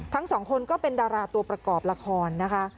ทั้งสองคนก็เป็นดาราตัวประกอบละครนะคะ